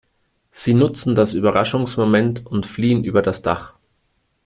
Sie nutzen das Überraschungsmoment und fliehen über das Dach.